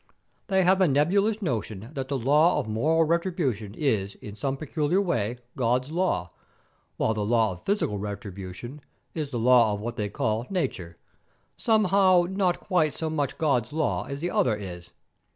They have a nebulous notion that the law of moral retribution is in some peculiar way God's law, while the law of physical retribution is the law of what they call nature, somehow not quite so much God's law as the other is.